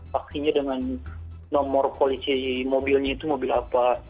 vaksinnya dengan nomor polisi mobilnya itu mobil apa